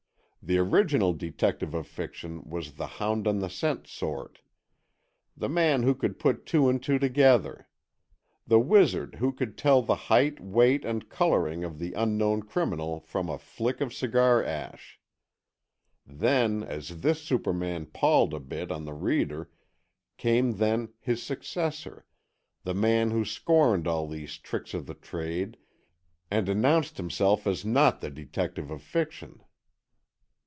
The original detective of fiction was the hound on the scent sort. The man who could put two and two together. The wizard who could tell the height, weight, and colouring of the unknown criminal from a flick of cigar ash. Then, as this superman palled a bit on the reader, came then his successor, the man who scorned all these tricks of the trade and announced himself as not the detective of fiction."